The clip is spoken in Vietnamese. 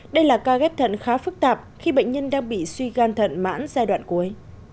đây là ca ghép thận khá phức tạp khi bệnh nhân đang bị suy gan thận mãn giai đoạn cuối